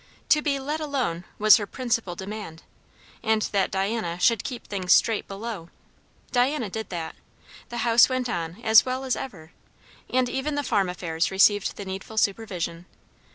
To be "let alone" was her principal demand, and that Diana should "keep things straight below." Diana did that. The house went on as well as ever; and even the farm affairs received the needful supervision.